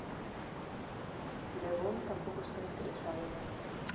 Levon tampoco estaba interesado.